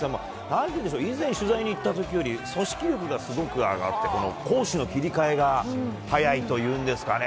以前取材に行った時より組織力が上がって攻守の切り替えが早いというんですかね。